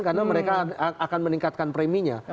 karena mereka akan meningkatkan preminya